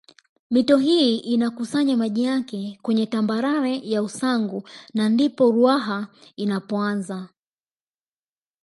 Mito hii inakusanya maji yake kwenye tambarare ya Usangu na ndipo Ruaha inapoanza